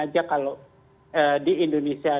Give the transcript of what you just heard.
aja kalau di indonesia